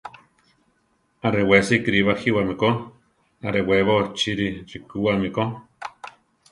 Arewesi kiri bajíwame ko; arewébo chiri rikúwami ko.